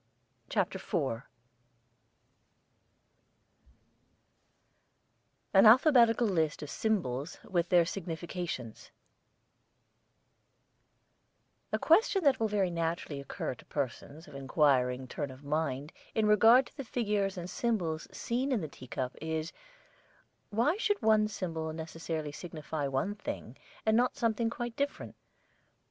10). CHAPTER IV AN ALPHABETICAL LIST OF SYMBOLS WITH THEIR SIGNIFICATIONS A question that will very naturally occur to persons of an enquiring turn of mind in regard to the figures and symbols seen in the tea cup is: Why should one symbol necessarily signify one thing and not something quite different?